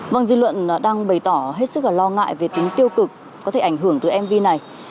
vâng dư luận đang bày tỏ hết sức lo ngại về tính tiêu cực có thể ảnh hưởng từ mv này